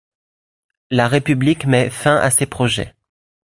La République met fin à ces projets.